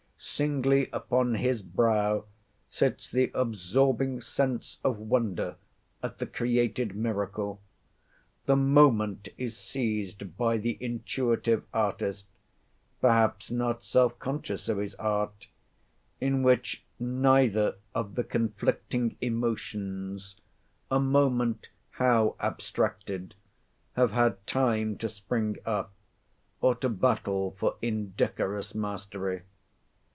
Singly upon his brow sits the absorbing sense of wonder at the created miracle. The moment is seized by the intuitive artist, perhaps not self conscious of his art, in which neither of the conflicting emotions—a moment how abstracted—have had time to spring up, or to battle for indecorous mastery.